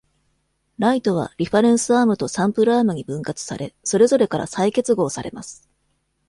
ライトは、リファレンスアームとサンプルアームに分割され、それぞれから再結合されます。